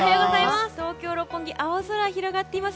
東京・六本木青空が広がっています。